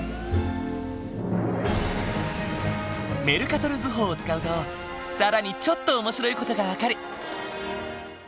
メルカトル図法を使うと更にちょっと面白い事が分かる。